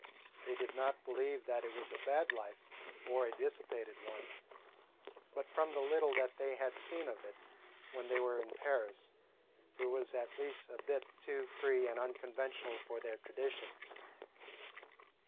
They did not believe that it was a bad life or a dissipated one, but from the little that they had seen of it when they were in Paris, it was at least a bit too free and unconventional for their traditions.